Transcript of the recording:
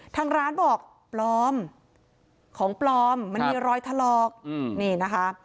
ทางร้านบอกปลอมของปลอมมันมีรอยถลอกนี่นะคะ